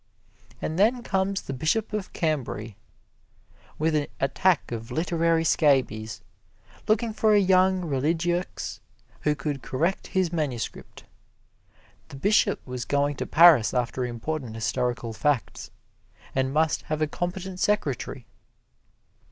And then comes the Bishop of Cambray, with an attack of literary scabies, looking for a young religieux who could correct his manuscript. The Bishop was going to Paris after important historical facts, and must have a competent secretary.